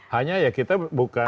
hanya ya kita bukan